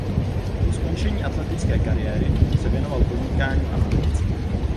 Po skončení atletické kariéry se věnoval podnikání a politice.